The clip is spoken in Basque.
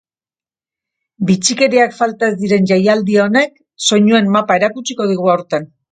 Bitxikeriak falta ez diren jaialdi honek soinuen mapa erakutsiko digu aurten.